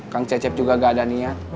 kang cecep juga gak ada niat